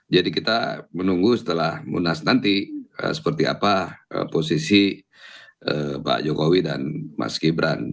jadi kita menunggu setelah munas nanti seperti apa posisi pak jokowi dan mas gibran